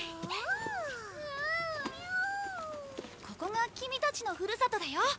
ここがキミたちのふるさとだよ。